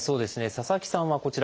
佐々木さんはこちら。